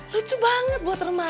lucu banget buat remaja